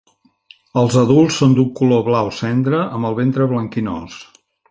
Els adults són d"un color blau cendra, amb el ventre blanquinós.